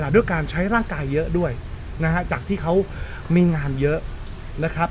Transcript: ด้วยการใช้ร่างกายเยอะด้วยนะฮะจากที่เขามีงานเยอะนะครับ